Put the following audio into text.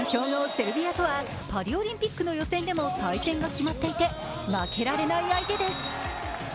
セルビアとはパリオリンピックの予選でも対戦が決まっていて、負けられない相手です。